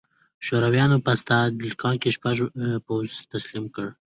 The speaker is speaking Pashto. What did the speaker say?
شورویانو په ستالینګراډ کې شپږم پوځ تسلیم کړ